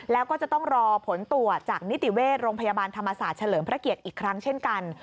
แล้วก็จะต้องรอผลตรวจจากนิติเวชโรงพยาบาลธรรมศาสตร์เฉลิมพระเกียรติอีกครั้งเช่นกัน